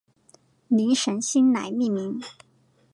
灵神星来命名。